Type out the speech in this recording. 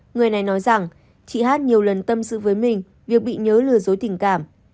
người này nói rằng chị hát nhiều lần tâm sự với mình việc bị nhớ lừa dối tình cảm